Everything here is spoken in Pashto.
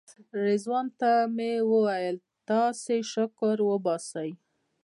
رضوان ته مې ویل تاسې شکر وباسئ.